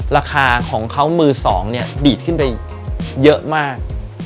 ราคาของเขามือ๒ดีดขึ้นไปเยอะมาก